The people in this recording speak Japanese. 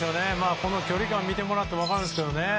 この距離感見てもらったら分かるんですけど。